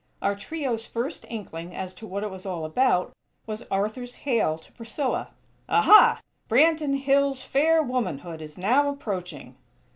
Our trio's first inkling as to what it was all about was Arthur's hail to Priscilla: "Aha! Branton Hills' fair womanhood is now approaching!!"